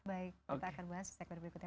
baik kita akan bahas di segmen berikutnya